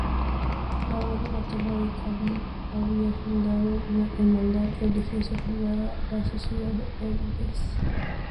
La abuela materna de Carin había fundado una hermandad religiosa privada, la Sociedad Edelweiss.